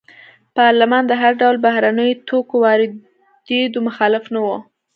پارلمان د هر ډول بهرنیو توکو واردېدو مخالف نه و.